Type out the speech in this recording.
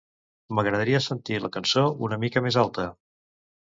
M'agradaria sentir la cançó una mica més alta.